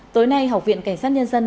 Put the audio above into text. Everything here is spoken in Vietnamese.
tối nay học viện cảnh sát nhân dân